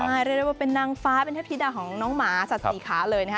ใช่เรียกได้ว่าเป็นนางฟ้าเป็นเทพธิดาของน้องหมาสัตว์สี่ขาเลยนะฮะ